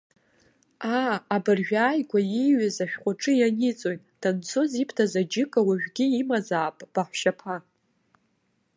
Аа, абыржәааигәа ииҩыз ашәҟәаҿы ианиҵоит, данцоз ибҭаз аџьыка, уажәгьы имазаап баҳәшьаԥа.